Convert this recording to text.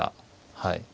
はい。